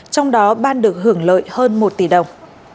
trong đó ban được hưởng lợi hơn một tỷ đồng